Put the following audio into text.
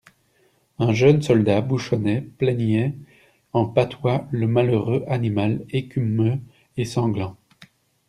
Un jeune soldat bouchonnait, plaignait en patois le malheureux animal, écumeux et sanglant.